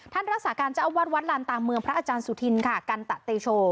รักษาการเจ้าอาวาสวัดลานตามเมืองพระอาจารย์สุธินค่ะกันตะเตโช